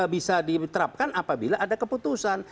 bisa diterapkan apabila ada keputusan